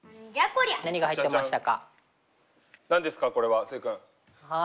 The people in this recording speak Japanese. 何が入ってましたか？